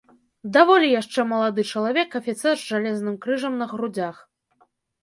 Даволі яшчэ малады чалавек, афіцэр з жалезным крыжам на грудзях.